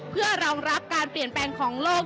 เพื่อรองรับการเปลี่ยนแปลงของโลก